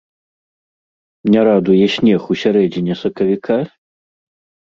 Не радуе снег ў сярэдзіне сакавіка?